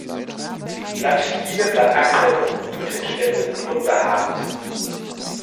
Die Blattstiele, Blattachseln und Blütenstände sind unbehaart.